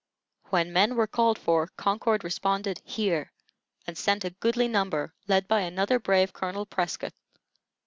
When men were called for, Concord responded "Here!" and sent a goodly number, led by another brave Colonel Prescott.